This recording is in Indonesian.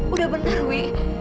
udah benar wi